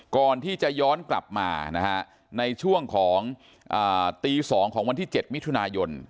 ก่อนที่จะย้อนกลับมาในช่วงของตี๒ของวันที่๗มิถุนายน